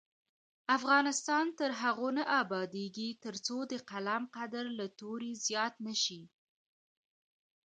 افغانستان تر هغو نه ابادیږي، ترڅو د قلم قدر له تورې زیات نه شي.